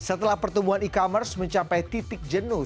setelah pertumbuhan e commerce mencapai titik jenuh